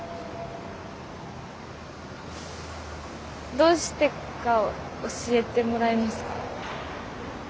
どうしてか教えてもらえますか？